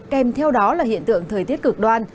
kèm theo đó là hiện tượng thời tiết cực đoan